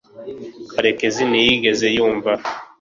karekezi ntiyigeze yumva